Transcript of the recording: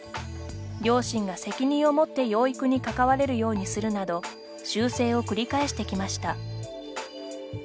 両親が責任を持って養育に関われるようにするなど修正を繰り返してきました。